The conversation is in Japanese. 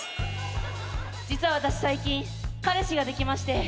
実は私最近彼氏ができまして。